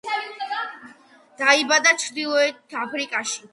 დაიბადა ჩრდილოეთ აფრიკაში.